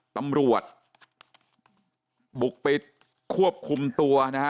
ตำรวจบุกไปควบคุมตัวนะฮะ